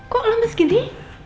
kok lambat segini